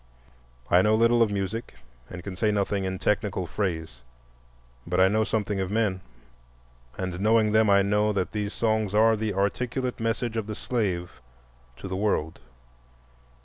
I know little of music and can say nothing in technical phrase, but I know something of men, and knowing them, I know that these songs are the articulate message of the slave to the world.